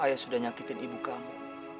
ayah sudah nyakitin ibu kamu